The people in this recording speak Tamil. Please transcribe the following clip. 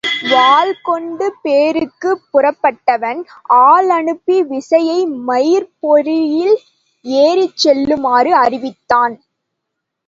வாள் கொண்டு போருக்குப் புறப்பட்டவன் ஆள் அனுப்பி விசயையை மயிற் பொறியில் ஏறிச் செல்லுமாறு அறிவித்தான்.